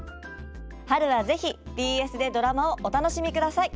春は是非ＢＳでドラマをお楽しみください！